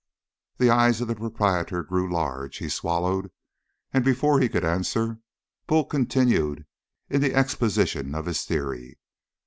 The eyes of the proprietor grew large. He swallowed, and before he could answer Bull continued in the exposition of his theory.